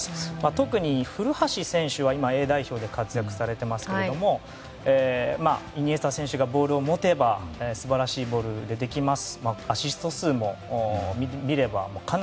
特に古橋選手は今、Ａ代表で活躍されていますがイニエスタ選手がボールを持てば素晴らしいボールが出てきます。